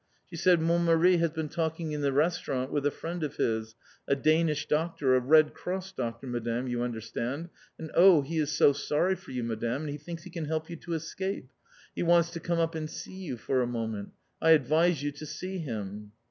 She said: "Mon Mari has been talking in the restaurant with a friend of his, a Danish Doctor, a Red Cross Doctor, Madame, you understand, and oh, he is so sorry for you, Madame, and he thinks he can help you to escape! He wants to come up and see you for a moment. I advise you to see him."